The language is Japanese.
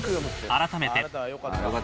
改めて。